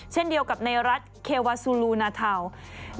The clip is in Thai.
เช่นเดียวกับในรัฐเควาซูลูนาเทา